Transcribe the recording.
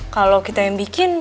kalau kita yang bikin